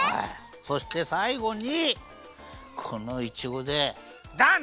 そしてさいごにこのいちごでダン！